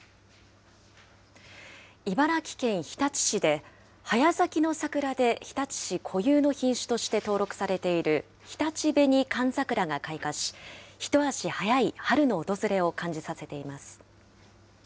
茨城県日立市で、早咲きの桜で日立市固有の品種として登録されている日立紅寒桜が開花し、一足早い春の訪れを感じさせています。